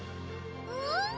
うん！